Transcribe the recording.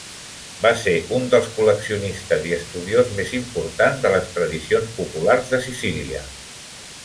Va ser un dels col·leccionistes i estudiós més important de les tradicions populars de Sicília.